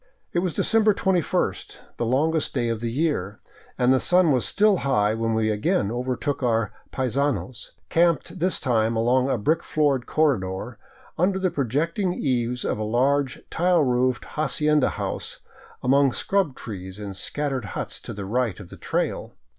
It was December 21, the longest day of the year, arid the sun was still high when we again overtook our " paisanos," camped this time along a brick floored corredor under the projecting eaves of a large tile roofed hacienda house, among scrub trees and scattered huts to the right of the trail.